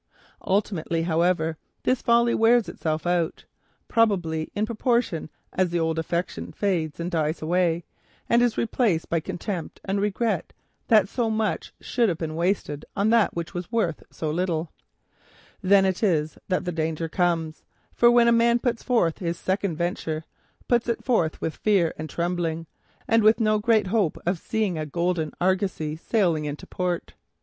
Ultimately, however, this folly wears itself out, probably in proportion as the old affection fades and dies away, and is replaced by contempt and regret that so much should have been wasted on that which was of so little worth. Then it is that the danger comes, for then a man puts forth his second venture, puts it forth with fear and trembling, and with no great hope of seeing a golden Argosy sailing into port.